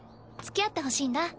つきあってほしいんだ。